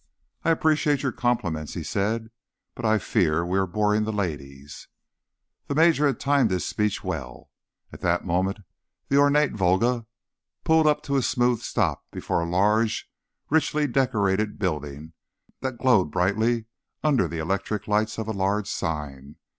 "I appreciate your compliments," he said. "But I fear we are boring the ladies." The major had timed his speech well. At that moment, the ornate Volga pulled up to a smooth stop before a large, richly decorated building that glowed brightly under the electric lights of a large sign.